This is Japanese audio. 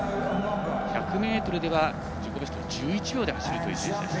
１００ｍでは自己ベスト１１秒で走るという選手です。